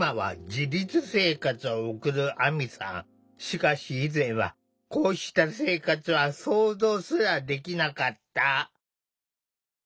しかし以前はこうした生活は想像すらできなかった。